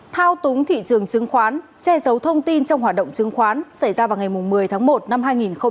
thao túng thị trường chứng khoán che giấu thông tin trong hoạt động chứng khoán xảy ra vào ngày một mươi tháng một năm hai nghìn hai mươi